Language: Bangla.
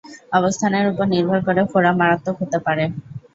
অবস্থানের উপর নির্ভর করে ফোড়া মারাত্মক হতে পারে।